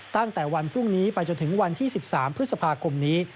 ตั้งแต่วันพรุ่งนี้ไปจนถึงวันที่๑๓พฤษภาคมนี้